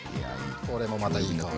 これもまたいい香り。